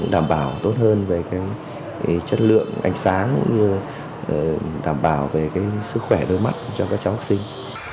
đảm bảo tốt hơn về chất lượng ánh sáng cũng như đảm bảo về sức khỏe đôi mắt cho các cháu học sinh